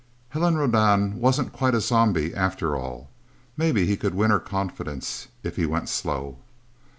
Helen Rodan wasn't quite a zombie, after all. Maybe he could win her confidence, if he went slow...